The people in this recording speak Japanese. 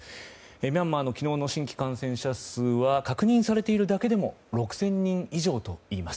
ミャンマーの昨日の新規感染者数は確認されているだけでも６０００人以上といいます。